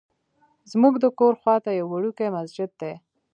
زمونږ د کور خواته یو وړوکی مسجد دی.